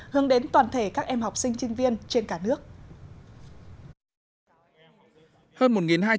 hướng đến toàn thể các em học sinh sinh viên trên cả nước